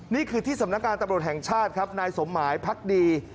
นี่คือที่สำนักงานตำรวจแห่งชาติครับนายสมหมายพักดี